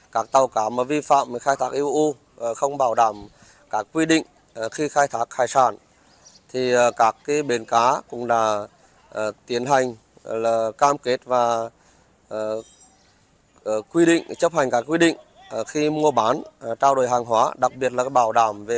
các tàu cá mà vi phạm khai thác iou